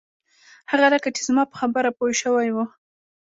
هغه لکه چې زما په خبره پوی شوی و.